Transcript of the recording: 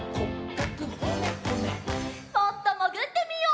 もっともぐってみよう！